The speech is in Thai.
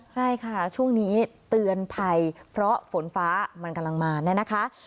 ใช่ค่ะช่วงนี้เตือนภัยเพราะฝนฟ้ามันกำลังมาเนี่ยนะคะ